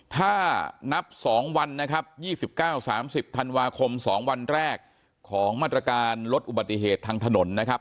ถ้านับ๒วันนะครับ๒๙๓๐ธันวาคม๒วันแรกของมาตรการลดอุบัติเหตุทางถนนนะครับ